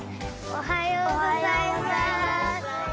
おはようございます。